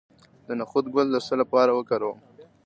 د نخود ګل د څه لپاره وکاروم؟